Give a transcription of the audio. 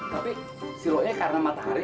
tapi si rone karena matahari